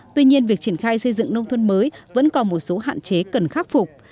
tuy nhiên việc triển khai xây dựng nông thôn mới vẫn còn một số hạn chế cần khắc phục